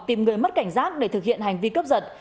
tìm người mất cảnh giác để thực hiện hành vi cướp giật